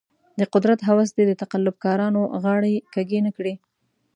د قدرت هوس دې د تقلب کارانو غاړې کږې نه کړي.